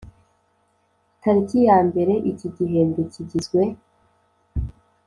tariki ya mbere Iki gihembwe kigizwe